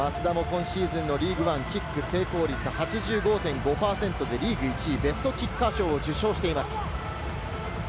松田も今シーズンのリーグワン、キック成功率８５．５％でリーグ１位、ベストキッカー賞を受賞しています。